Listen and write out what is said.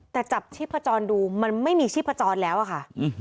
แต่จับชีพจรดูมันไม่มีชีพจรแล้วอะค่ะ